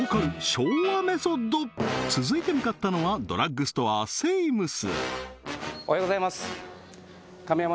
昭和メソッド続いて向かったのはドラッグストアセイムス